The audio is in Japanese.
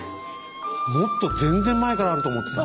もっと全然前からあると思ってた。